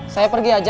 saya pergi aja ya